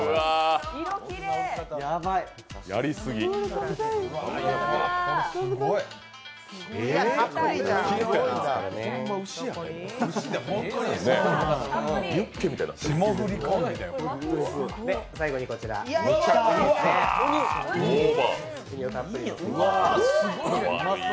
やりすぎ最後にこちら、うにをたっぷりのせていきます。